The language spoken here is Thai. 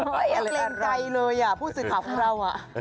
เกรงไกลเลยฮะพูดสิทธิ์ของพวกเรา